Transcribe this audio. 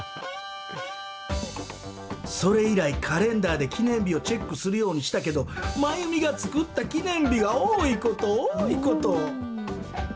それ以来、カレンダーで記念日をチェックするようにしたけど、マユミが作った記念日が多いこと、多いこと。